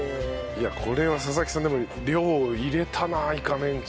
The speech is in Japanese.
いやこれは佐々木さんでも量入れたなイカメンチ。